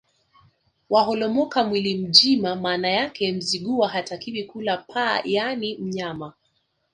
Waholomoka mwili mjima Maana yake Mzigua hatakiwi kula paa yaani mnyama